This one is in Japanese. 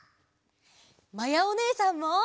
まやおねえさんも。